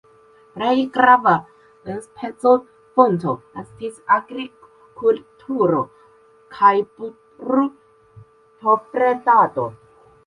Plej grava enspezofonto estis agrikulturo kaj brutobredado.